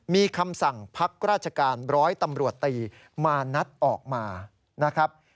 มีคำสั่งพักราชการร้อยตำรวจตีมานัดออกมานะครับ